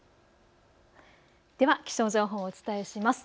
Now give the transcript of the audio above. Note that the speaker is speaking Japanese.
では気象情報をお伝えします。